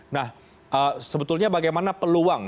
nah sebetulnya bagaimana peluang